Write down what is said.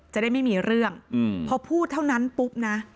จะได้ไม่มีเรื่องพอพูดเท่านั้นปุ๊บนะ